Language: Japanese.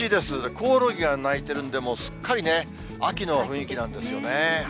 コオロギが泣いてるんで、もうすっかりね、秋の雰囲気なんですね。